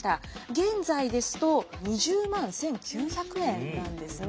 現在ですと２０万１，９００円なんですね。